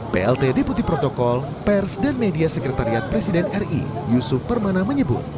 plt deputi protokol pers dan media sekretariat presiden ri yusuf permana menyebut